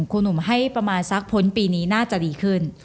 ครูหนุ่มให้ประมาณสักพ้นปีนี้น่าจะดีขึ้น